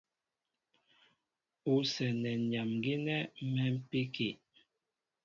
Ú sɛ́nɛ nyam gínɛ́ mɛ̌mpíki.